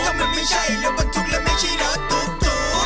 ถ้ามันไม่ใช่รถบรรทุกแล้วไม่ใช่รถตุ๊ก